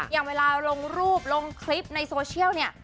อย่างเวลาลงรูปลงคลิปในโซเชียลเนี่ย